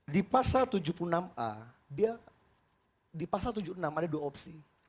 di pasal tujuh puluh enam a dia di pasal tujuh puluh enam ada dua opsi